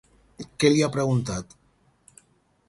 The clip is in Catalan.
Què li ha preguntat?